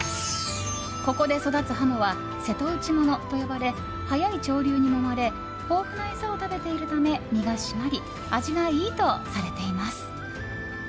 ここで育つハモは瀬戸内ものと呼ばれ速い潮流にもまれ豊富な餌を食べているため身が締まり味がいいとされています。